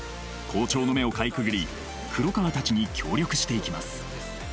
校長の目をかいくぐり黒川たちに協力していきます